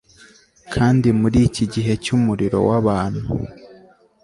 kandi muriki gihe cyumuriro wabantu